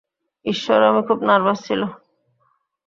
ঈশ্বর, আমি খুব নার্ভাস ছিল।